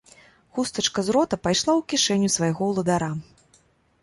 Хустачка з рота пайшла ў кішэню свайго ўладара.